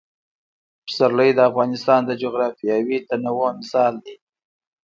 پسرلی د افغانستان د جغرافیوي تنوع مثال دی.